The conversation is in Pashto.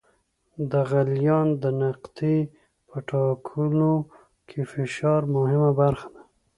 د غلیان د نقطې په ټاکلو کې فشار مهمه برخه لري.